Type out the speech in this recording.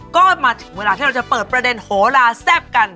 ก็มาถึงเวลาที่เราจะเปิดประเด็นโหลาแซ่บกัน